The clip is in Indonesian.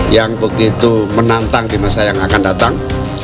yang begitu menantang di masa yang akan datang